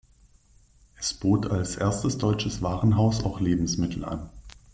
Es bot als erstes deutsches Warenhaus auch Lebensmittel an.